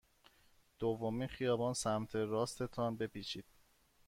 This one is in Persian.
دومین خیابان سمت راست تان بپیچید.